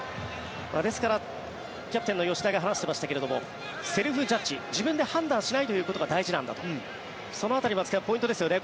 ですから、キャプテンの吉田が話していましたがセルフジャッジ自分で判断しないということが大事なんだとその辺り、松木さんポイントですよね。